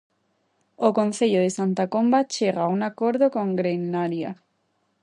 O concello de Santa Comba chega a un acordo con Greenalia.